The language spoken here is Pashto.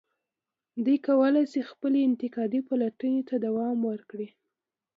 دوی کولای شي خپلې انتقادي پلټنې ته دوام ورکړي.